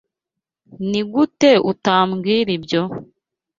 Nigute utambwira ibyo?